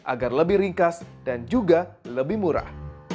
agar lebih ringkas dan juga lebih murah